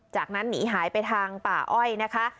จากนั้นหนีหายไปทางป่าอ้อยนะคะ